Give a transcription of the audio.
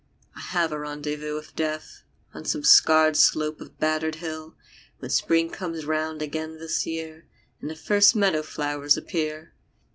I have a rendezvous with Death On some scarred slope of battered hill, When Spring comes round again this year And the first meadow flowers appear.